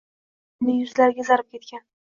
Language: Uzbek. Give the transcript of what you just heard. O'gay onamning yuzlari gezarib ketgan.